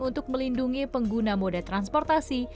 untuk melindungi pengguna moda transportasi